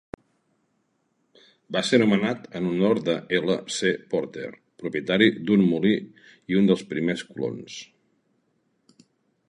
Va ser nomenat en honor de L. C. Porter, propietari d'un molí i un dels primers colons.